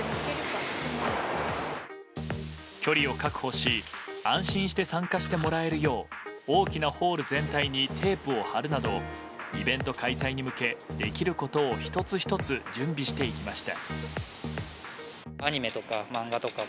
距離を確保し安心して参加してもらえるよう大きなホール全体にテープを貼るなどイベント開催に向けできることを１つ１つ準備していきました。